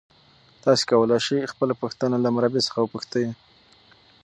تاسي کولای شئ خپله پوښتنه له مربی څخه وپوښتئ.